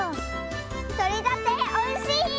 とれたておいしい！